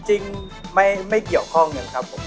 จริงไม่เกี่ยวข้องกันครับผม